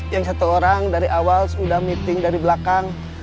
yang satu orang dari awal sudah meeting dari belakang